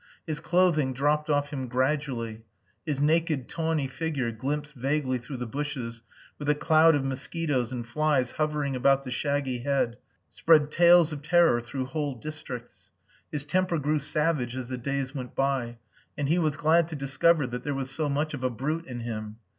His clothing dropped off him gradually. His naked tawny figure glimpsed vaguely through the bushes with a cloud of mosquitoes and flies hovering about the shaggy head, spread tales of terror through whole districts. His temper grew savage as the days went by, and he was glad to discover that that there was so much of a brute in him.